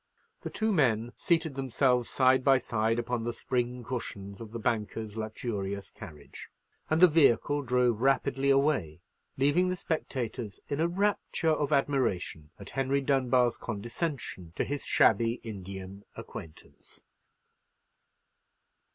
The two men seated themselves side by side upon the spring cushions of the banker's luxurious carriage; and the vehicle drove rapidly away, leaving the spectators in a rapture of admiration at Henry Dunbar's condescension to his shabby Indian acquaintance.